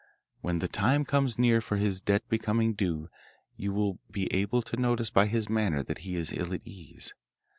When the time comes near for his debt becoming due you will be able to notice by his manner that he is ill at ease.